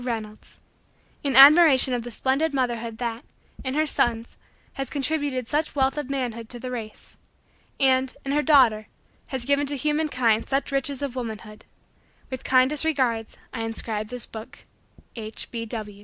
Reynolds In admiration of the splendid motherhood that, in her sons, has contributed such wealth of manhood to the race. And, in her daughter, has given to human kind such riches of womanhood. With kindest regards, I inscribe this book. H.